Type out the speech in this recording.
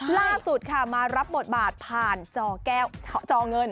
ล่าสุดค่ะมารับบทบาทผ่านจอแก้วจอเงิน